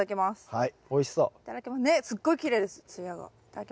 はい。